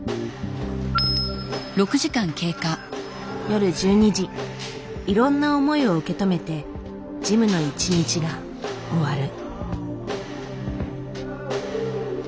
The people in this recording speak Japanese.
夜１２時いろんな思いを受け止めてジムの一日が終わる。